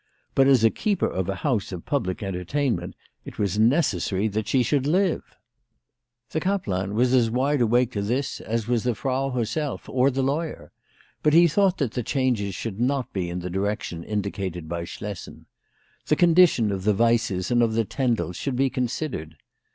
But, as a keeper of a house of public entertainment, it was necessary that she should live. The kaplan was as 22 WHY FRATJ FROHMANN RAISED HER PRICES. wide awake to this as was the Frau herself, or the lawyer. But he thought that the changes should not be in the direction indicated by Schlessen. The con dition of the Weisses and of the Tendels should be considered.